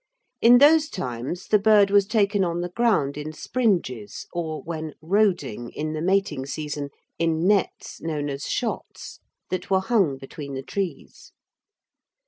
In those times the bird was taken on the ground in springes or, when "roding" in the mating season, in nets, known as "shots," that were hung between the trees.